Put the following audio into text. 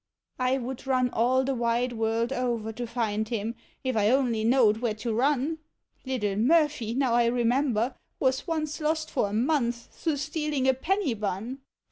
1 would run all the wide world over to find him, if I only knowed where to run. Little Murphy, now I rememlier, was once lost for a month through stealing a penny bun.